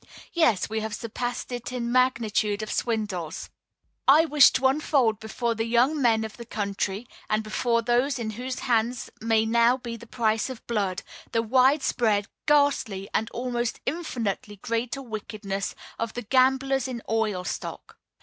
Yea, we have surpassed it in magnitude of swindles. I wish to unfold before the young men of the country, and before those in whose hands may now be the price of blood, the wide spread, ghastly, and almost infinitely greater wickedness of the gamblers in oil stock.